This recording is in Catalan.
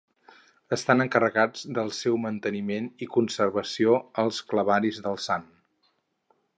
Estant encarregats del seu manteniment i conservació els clavaris del Sant.